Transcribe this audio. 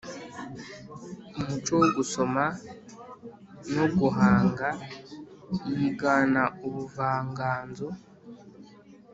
umuco wo gusoma no guhanga yigana ubuvanganzo